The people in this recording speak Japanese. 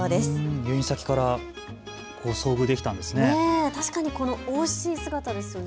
入院先から遭遇できたんですね。